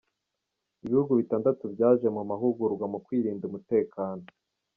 Ibihugu bitandatu byaje mu mahugurwa mu kurinda umutekano